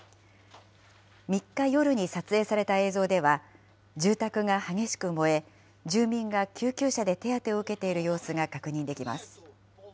３日夜に撮影された映像では、住宅が激しく燃え、住民が救急車で手当てを受けている様子が確認できます。